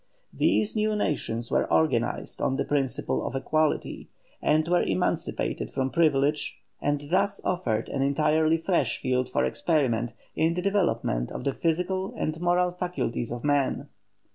These new nations were organized on the principle of equality, and were emancipated from privilege, and thus offered an entirely fresh field for experiment in the development of the physical and moral faculties of man.